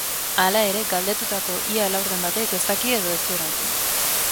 Hala ere, galdetutako ia laurden batek ez daki edo ez du erantzun.